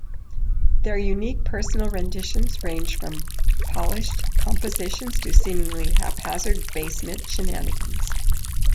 Their unique personal renditions ranged from polished compositions to seemingly haphazzard basement shenanigans.